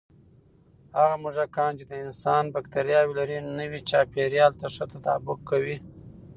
هغه موږکان چې د انسان بکتریاوې لري، نوي چاپېریال ته ښه تطابق کوي.